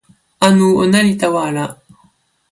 anu ona li tawa ala.